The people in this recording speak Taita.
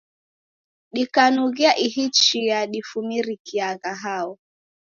Dikanughia ihi chia difumiriagha hao?